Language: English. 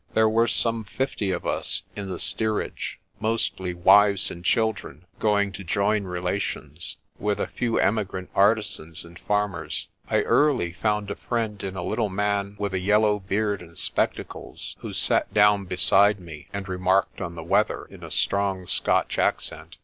There were some fifty of us in the steerage, mostly wives and children going to join relations, with a few emigrant artisans and farmers. I early found a friend in a little man with a yellow beard and spectacles, who sat down beside me and remarked on the weather in a strong Scotch accent.